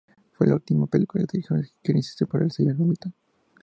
Fue la última película que dirigió Christensen para el sello Lumiton.